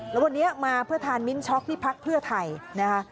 แล้ววันนี้มาเพื่อทานมิ้นช็อกที่พักเพื่อไทยนะคะ